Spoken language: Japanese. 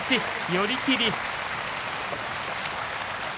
寄り切り。